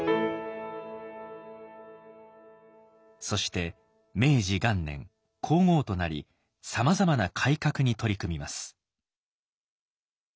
そして明治元年皇后となりさまざまな改革に取り組みます。